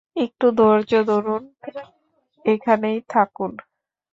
একটু ধৈর্য ধরুন, এখানেই থাকুন।